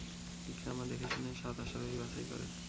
ইকরামা দেখে শুনে সাত অশ্বারোহী বাছাই করে।